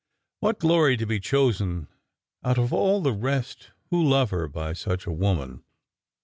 What glory to be chosen out of all the rest who love her by such a woman